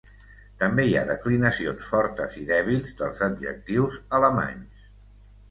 També hi ha declinacions fortes i dèbils dels adjectius alemanys.